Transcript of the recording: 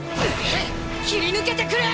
切り抜けてくれ！